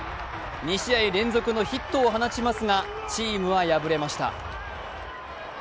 ２試合連続のヒットを放ちますがチームは敗れました。